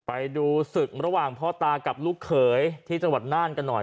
ไปดูศึกระหว่างพ่อตากับลูกเขยที่จังหวัดน่านกันหน่อย